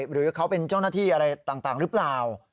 หรือเขาเป็นเจ้าหน้าที่อะไรต่างหรือเปล่า